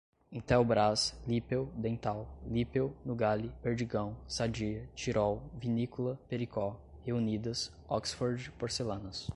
Intelbras, Lippel, Dental, Lippel, Nugali, Perdigão, Sadia, Tirol, Vinícola Pericó, Reunidas, Oxford Porcelanas